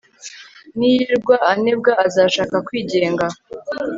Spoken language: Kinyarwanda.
niyirirwa anebwa, azashaka kwigenga